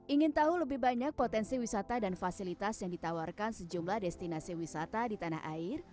ingin tahu lebih banyak potensi wisata dan fasilitas yang ditawarkan sejumlah destinasi wisata di tanah air